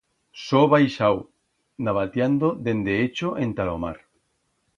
So baixau navatiando dende Echo enta lo mar.